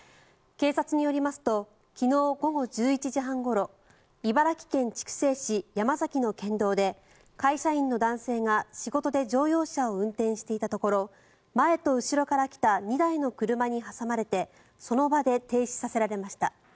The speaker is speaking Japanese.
警察によりますと昨日午後１１時半ごろ茨城県筑西市山崎の県道で会社員の男性が、仕事で乗用車を運転していたところ前と後ろから来た２台の車に挟まれてその場で停止させられました。